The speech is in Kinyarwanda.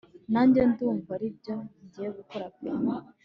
nanjye ndumva aribyo ngiye gukora pe